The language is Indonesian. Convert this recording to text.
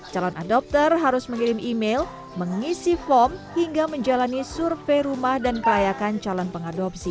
calon adopter harus mengirim email mengisi form hingga menjalani survei rumah dan pelayakan calon pengadopsi